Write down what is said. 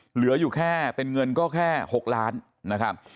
เหลืออยู่แค่เป็นเงินก็แค่๖ล้านนะครับ